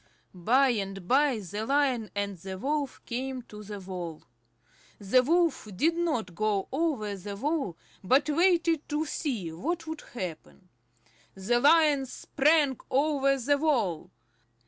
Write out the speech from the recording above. By and by the Lion and the Wolf came to the wall. The Wolf did not go over the wall but waited to see what would happen. The Lion sprang over the wall.